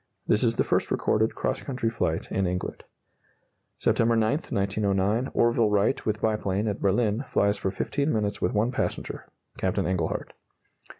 This is the first recorded cross country flight in England. September 9, 1909 Orville Wright, with biplane, at Berlin, flies for 15 minutes with one passenger Captain Englehardt.